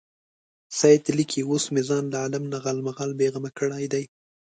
سید لیکي اوس مې ځان له عالم غالمغال بېغمه کړی دی.